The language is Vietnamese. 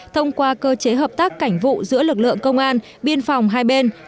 thông qua cơ chế hợp tác cảnh vụ giữa lực lượng công an biên phòng hai bên